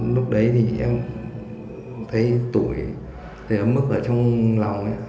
lúc đấy thì em thấy tuổi thì ấm ức ở trong lòng